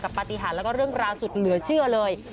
กับปฏิหารและเรื่องราวศิลป์เหลือเชื่อเลย